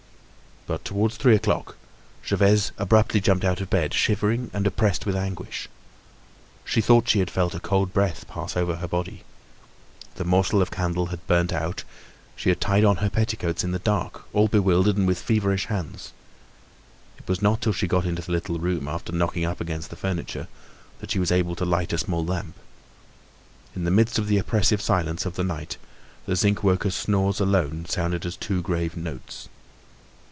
But towards three o'clock Gervaise abruptly jumped out of bed, shivering and oppressed with anguish. She thought she had felt a cold breath pass over her body. The morsel of candle had burnt out; she tied on her petticoats in the dark, all bewildered, and with feverish hands. It was not till she got into the little room, after knocking up against the furniture, that she was able to light a small lamp. In the midst of the oppressive silence of night, the zinc worker's snores alone sounded as two grave notes.